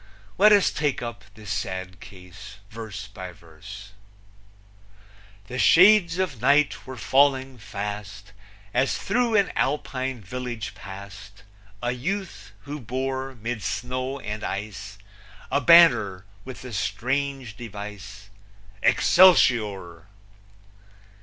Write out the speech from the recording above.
Let us take up this sad case verse by verse: The shades of night were falling fast, As through an Alpine village passed A youth, who bore, 'mid snow and ice, A banner with the strange device, Excelsior!